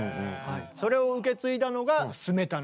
それを受け継いだのがスメタナ。